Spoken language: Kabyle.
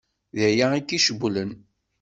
D aya i k-icewwlen?